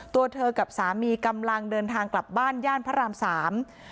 ตัวเธอกับสามีกำลังเดินทางกลับบ้านย่านพระรามสาม